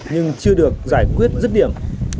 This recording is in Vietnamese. nhưng chưa được giải quyết dứt điểm